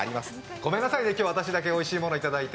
ごめんなさいね、今日は私だけおいしいものいただいて。